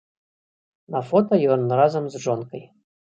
На фота ён разам з жонкай.